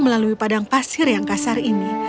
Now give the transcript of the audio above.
melalui padang pasir yang kasar ini